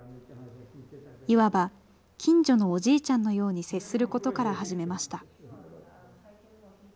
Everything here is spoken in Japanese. いわば、近所のおじいちゃんのように接することから始めました。